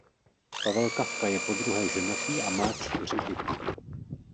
Pavel Kafka je podruhé ženatý a má čtyři děti.